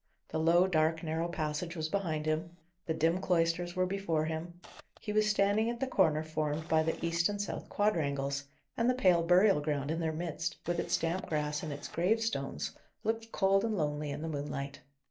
The low, dark, narrow passage was behind him; the dim cloisters were before him; he was standing at the corner formed by the east and south quadrangles, and the pale burial ground in their midst, with its damp grass and its gravestones, looked cold and lonely in the moonlight.